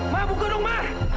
ma buka dong ma